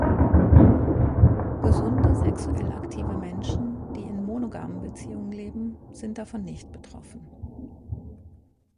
Gesunde sexuell aktive Menschen, die in monogamen Beziehungen leben, sind davon nicht betroffen.